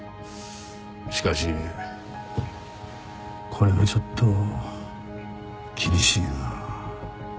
しかしこれはちょっと厳しいな。